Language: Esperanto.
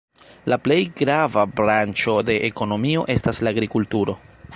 La plej grava branĉo de ekonomio estas la agrikulturo.